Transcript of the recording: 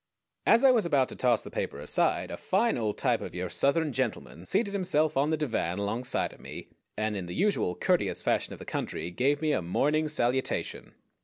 As I was about to toss the paper aside a fine old type of your Southern gentleman seated himself on the divan alongside of me, and in the usual courteous fashion of the country gave me a morning salutation.